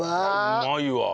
うまいわ。